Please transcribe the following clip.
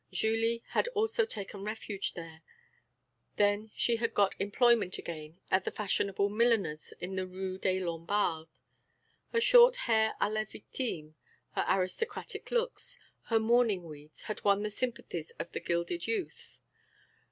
Julie had also taken refuge there; then she had got employment again at the fashionable milliner's in the Rue des Lombards. Her short hair à la victime, her aristocratic looks, her mourning weeds had won the sympathies of the gilded youth.